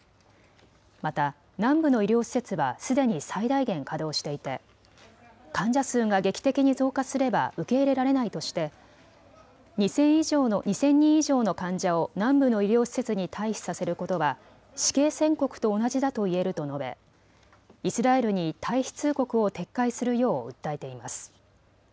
また南部の医療施設はすでに最大限稼働していて患者数が劇的に増加すれば受け入れられないとして２０００人以上の患者を南部の医療施設に退避させることは死刑宣告と同じだといえると述べイスラエルに退避通告を撤回するよう訴えています。